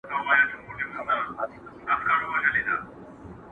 يوه ورځ پر اوداسه ناست پر گودر وو،